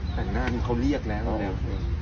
แต่งหน้ามันเขาเรียกแล้ว